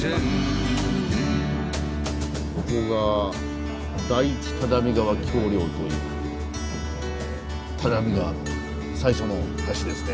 ここが第一只見川橋りょうという只見川の最初の橋ですね。